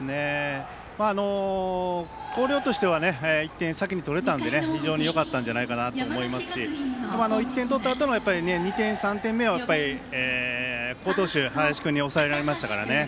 広陵としては１点、先に取れたので非常によかったんじゃないかと思いますし１点取ったあとの２点、３点目を好投手、林君に抑えられましたからね。